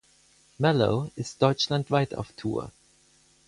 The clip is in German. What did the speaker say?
Mellow ist deutschlandweit auf Tour.